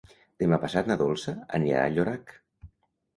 Demà passat na Dolça anirà a Llorac.